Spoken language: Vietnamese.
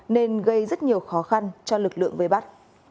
nên gây rất nhiều khó khăn cho lực lượng vây bắt